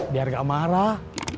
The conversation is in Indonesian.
biar nggak marah